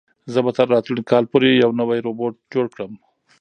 زه به تر راتلونکي کال پورې یو نوی روبوټ جوړ کړم.